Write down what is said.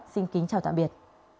xin kính chào tạm biệt